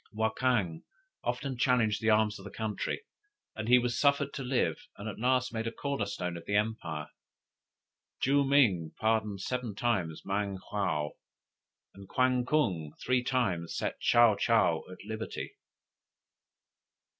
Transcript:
Wakang often challenged the arms of his country, and was suffered to live, and at last made a corner stone of the empire. Joo ming pardoned seven times Mang hwo; and Kwan kung three times set Tsaou tsaou at liberty.